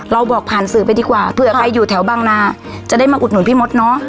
บอกผ่านสื่อไปดีกว่าเผื่อใครอยู่แถวบางนาจะได้มาอุดหนุนพี่มดเนอะ